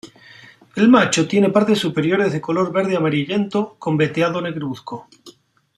El macho tiene partes superiores de color verde amarillento con veteado negruzco.